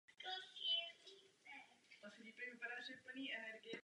O stavbu kostela se zasloužil Jan Pilař.